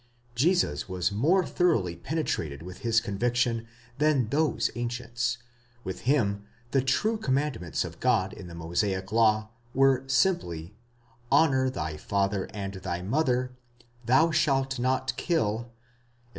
Jesus was more thoroughly penetrated with this conviction than those ancients; with — him, the true commandments of God in the Mosaic law were simply, Honxour thy father and thy mother, Thou shalt not kill, etc.